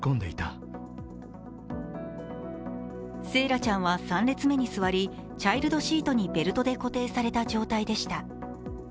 惺愛ちゃんは３列目に座りチャイルドシートにベルトで固定された状態でした。